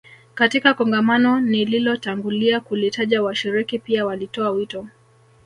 Katika kongamano nililotangulia kulitaja washiriki pia walitoa wito